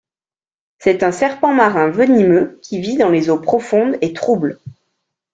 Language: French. C'est un serpent marin venimeux qui vit dans les eaux profondes et troubles.